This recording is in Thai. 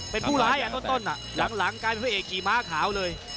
เป็นผู้ร้ายต้นหลังกลายเป็นพระเอกกี่ม้าขาวเลย